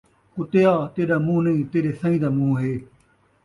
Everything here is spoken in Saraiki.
کتے آ! تیݙا مون٘ہہ نئیں ، تیݙے سئیں دا مون٘ہہ ہے